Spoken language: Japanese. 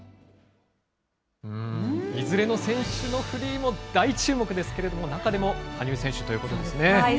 いずれの選手のフリーも大注目ですけれども、中でも羽生選手そうですね、